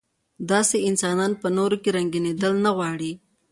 داسې انسانان په نورو کې رنګېدل نه غواړي.